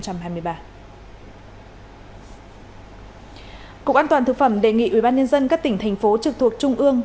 cục an toàn thực phẩm đề nghị ubnd các tỉnh thành phố trực thuộc trung ương